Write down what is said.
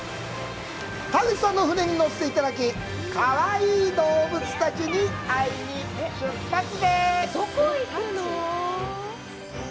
田口さんの船に乗せていただき、かわいい動物たちに会いに出発です！